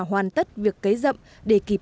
hoàn tất việc cấy rậm để kịp